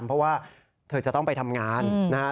เพราะว่าเธอจะต้องไปทำงานนะฮะ